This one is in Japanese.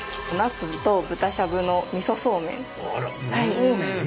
そうめん！